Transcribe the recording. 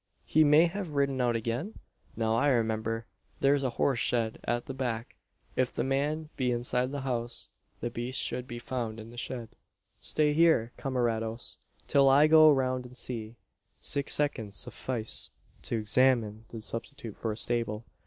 He may have ridden out again? Now I remember: there's a horse shed at the back. If the man be inside the house, the beast should be found in the shed. Stay here, camarados, till I go round and see." Six seconds suffice to examine the substitute for a stable.